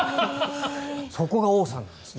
そこが王さんなんですね。